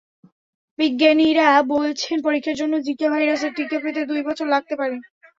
বিজ্ঞানীরা বলছেন, পরীক্ষার জন্য জিকা ভাইরাসের টিকা পেতে দুই বছর লাগতে পারে।